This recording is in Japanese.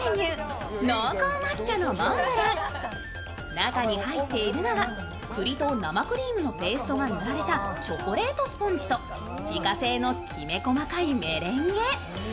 中に入っているのは、栗と生クリームのペーストが塗られたチョコレートスポンジと自家製の細かいメレンゲ。